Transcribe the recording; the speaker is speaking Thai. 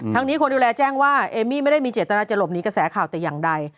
นี้คนดูแลแจ้งว่าเอมมี่ไม่ได้มีเจตนาจะหลบหนีกระแสข่าวแต่อย่างใด